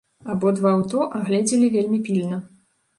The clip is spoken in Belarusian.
Абодва аўто агледзелі вельмі пільна.